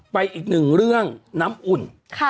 ไปอีกหนึ่งเรื่องน้ำอุ่นครับ